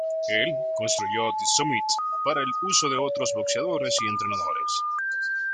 Él construyó The Summit para el uso de otros boxeadores y entrenadores.